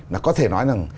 là có thể nói rằng